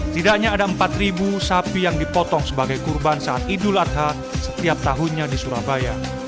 tidaknya ada empat sapi yang dipotong sebagai kurban saat idul adha setiap tahunnya di surabaya